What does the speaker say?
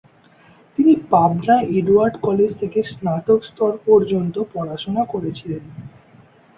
তিনি Pabna Edward college থেকে স্নাতক স্তর পর্যন্ত পড়াশোনা করেছিলেন।